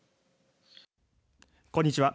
こんにちは。